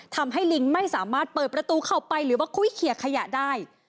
ลิงไม่สามารถเปิดประตูเข้าไปหรือว่าคุยเขียขยะได้